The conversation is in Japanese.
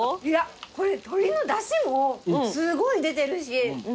いやこれ鶏のだしもすごい出てるし。